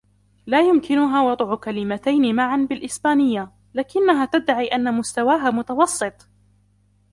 لا يمكنها وضع كلمتين معًا بالإسبانية ، لكنها تدعي أنها مستوها متوسط.